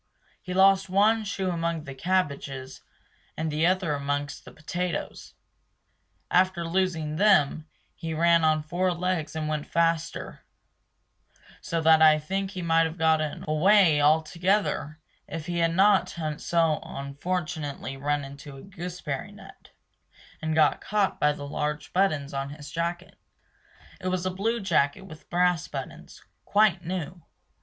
He lost one shoe among the cabbages, and the other amongst the potatoes. After losing them, he ran on four legs and went faster So that I think he might have got away altogether if he had not unfortunately run into a gooseberry net And got caught by the large buttons on his jacket. It was a blue jacket with brass buttons, quite new.